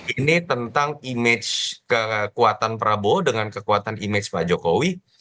ini tentang image kekuatan prabowo dengan kekuatan image pak jokowi